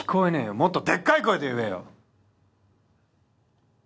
もっとでっかい声で言えよ！